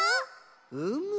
うむ。